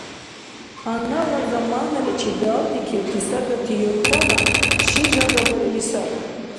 Гьаннала заманаличи далдикибти сагати юртана ши жагабарили саби.